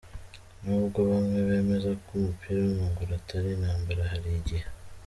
Nubwo bamwe bemeza ko umupira w’amaguru atari intambara, hari igihe .